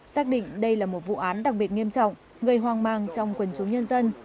xác định đây là một vụ án đặc biệt nghiêm trọng gây hoang mang trong quần chúng nhân dân